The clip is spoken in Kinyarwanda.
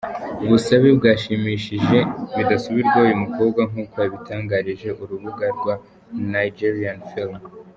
Ubusabe bwashimishije bidasubirwaho uyu mukobwa nk’uko yabitangarije urubuga rwa Nigerianfilm.